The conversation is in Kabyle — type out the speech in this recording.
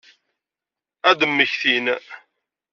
Ad d-mmektin.